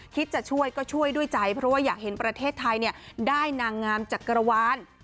จะช่วยก็ช่วยด้วยใจเพราะว่าอยากเห็นประเทศไทยได้นางงามจักรวาล